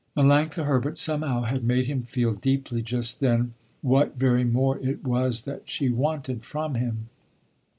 Melanctha Herbert somehow had made him feel deeply just then, what very more it was that she wanted from him.